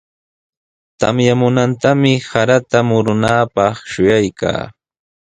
Tamyamunantami sarata murunaapaq shuyaykaa.